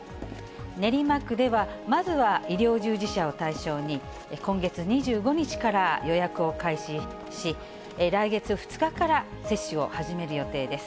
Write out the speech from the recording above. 練馬区ではまずは医療従事者を対象に、今月２５日から予約を開始し、来月２日から接種を始める予定です。